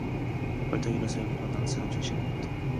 벌떡 일어서며 밖으로 나가서 자동차 시간을 물었다.